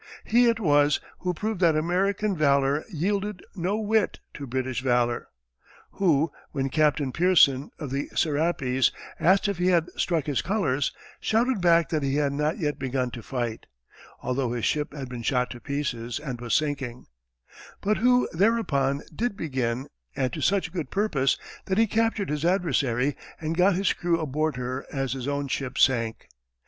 He it was who proved that American valor yielded no whit to British valor who, when Captain Pearson, of the Serapis, asked if he had struck his colors, shouted back that he had not yet begun to fight, although his ship had been shot to pieces and was sinking; but who thereupon did begin, and to such good purpose that he captured his adversary and got his crew aboard her as his own ship sank.